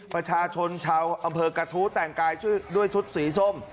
ประชาชนชาวอำเภอกระทู้แต่งกายด้วยชุดสีส้ม